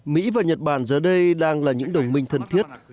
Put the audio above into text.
mỹ và nhật bản giờ đây đang là những đồng minh thân thiết